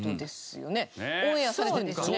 オンエアされてるんですよね？